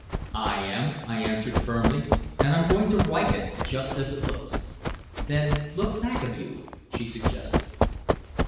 "I am," I answered firmly. "And I'm going to write it just as it looks." "Then look back of you," she suggested.